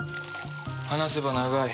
話せば長い。